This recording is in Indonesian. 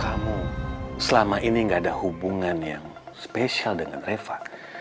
kamu selama ini gak ada hubungan yang spesial dengan reva